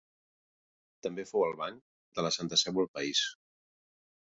També fou el banc de la Santa Seu al país.